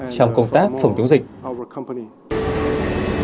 trong công tác phòng chống dịch